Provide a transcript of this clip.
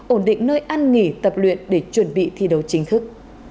ổn định nơi ăn nghỉ tập luyện để chuẩn bị thi đấu chính thức